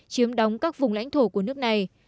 chiếm đóng các vùng lãnh thổ của nước này